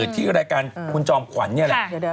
ที่รายการคุณจอมขวัญนี่แหละ